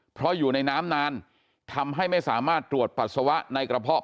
เพราะอยู่ในน้ำนานทำให้ไม่สามารถตรวจปัสสาวะในกระเพาะ